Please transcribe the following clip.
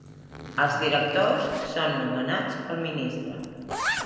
Els directors són nomenats pel ministre.